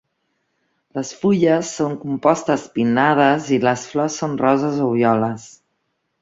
Les fulles són compostes pinnades i les flors són roses o violes.